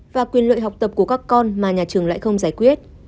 và quyền lợi học tập của các con mà nhà trường lại không giải quyết